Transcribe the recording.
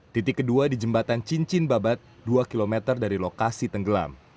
titik kedua di jembatan cincin babat dua km dari lokasi tenggelam